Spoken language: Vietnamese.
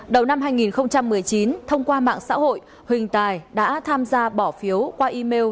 đầu năm hai nghìn một mươi chín thông qua mạng xã hội huỳnh tài đã tham gia bỏ phiếu qua email